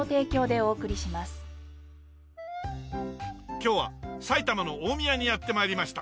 今日は埼玉の大宮にやって参りました。